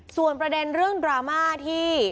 ส่วนประเด็นเรื่องดราม่าที่